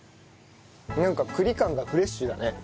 なんか栗感がフレッシュだね。